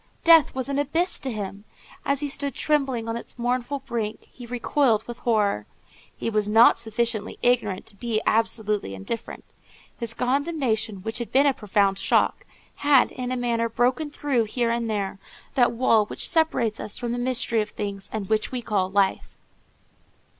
Death was an abyss to him. As he stood trembling on its mournful brink, he recoiled with horror. He was not sufficiently ignorant to be absolutely indifferent. His condemnation, which had been a profound shock, had, in a manner, broken through, here and there, that wall which separates us from the mystery of things, and which we call life.